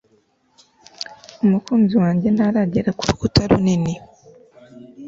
Umukunzi wanjye ntaragera kurukuta runini